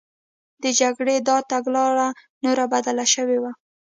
د جګړې دا تګلاره نوره بدله شوې وه